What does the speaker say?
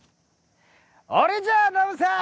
俺じゃあノブさん！